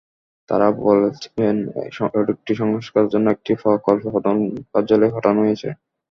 তাঁরা বলেছেন, সড়কটি সংস্কারের জন্য একটি প্রকল্প প্রধান কার্যালয়ে পাঠানো হয়েছে।